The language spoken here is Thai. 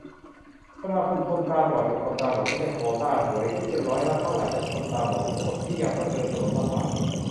สมาคมคนตาบอดกับคนตาบอดที่ได้โควตาหวย คิดเป็นร้อยละเท่าไหร่ ของคนตาบอดทั้งหมด ที่ยังต้องเดินถนนลำบาก